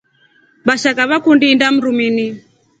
Vashaka vakundi indaa mrumini.